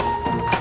tasik tasik tasik